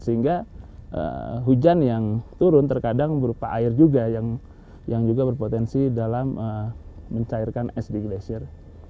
sehingga hujan yang turun terkadang berupa air juga yang juga berpotensi dalam mencairkan es di glasier